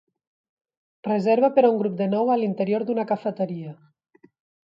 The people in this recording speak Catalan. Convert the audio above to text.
Reserva per a un grup de nou a l'interior d'una cafeteria